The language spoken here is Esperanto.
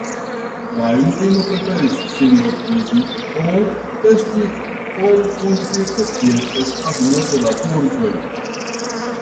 La junulino preferis sin mortigi ol esti forkondukita kiel sklavino de la turkoj.